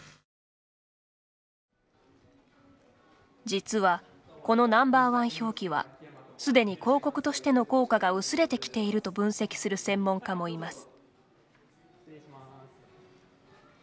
実は、このＮｏ．１表記はすでに広告としての効果が薄れてきていると分析する専門家もいます。